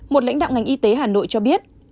một lãnh đạo ngành y tế hà nội cho biết